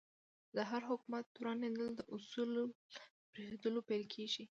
د هر حکومت ورانېدل د اصولو له پرېښودلو پیل کېږي.